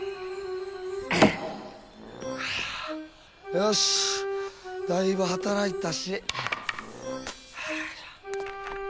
よしだいぶ働いたし。